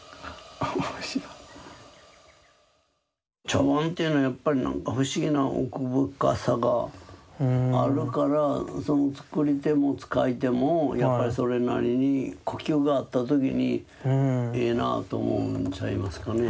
茶碗っていうのはやっぱりなんか不思議な奥深さがあるからその作り手も使い手もやっぱりそれなりに呼吸が合った時にええなあと思うんちゃいますかね。